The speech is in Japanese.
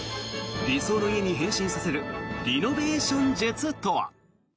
理想の家に変身させるリノベーション術とは。